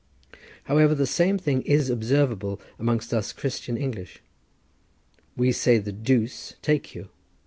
However, the same thing is observable amongst us Christian English: we say the Duse take you!